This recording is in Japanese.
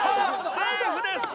セーフです！